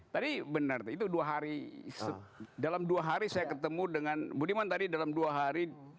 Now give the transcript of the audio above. tadi benar itu dua hari dalam dua hari saya ketemu dengan budiman tadi dalam dua hari